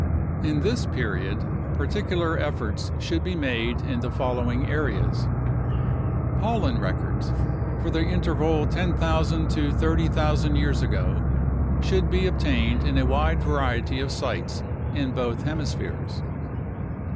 In this period particular efforts should be made in the following areas : Pollen records for the interval 10,000 to 30,000 years ago should be obtained in a wide variety of sites in both hemispheres.